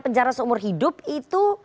penjara seumur hidup itu